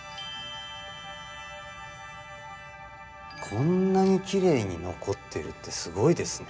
こんなにきれいに残ってるってすごいですね。